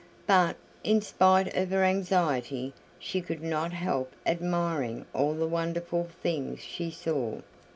But, in spite of her anxiety, she could not help admiring all the wonderful things she saw.